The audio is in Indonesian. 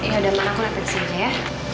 ya udah emang aku liat disini aja ya